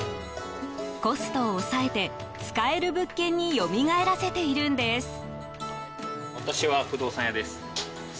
コストを抑えて、使える物件によみがえらせているんです。